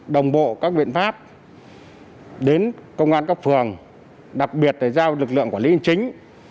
đồng bộ các viện pháp đến công an các phường đặc biệt là giao lực lượng quản lý chính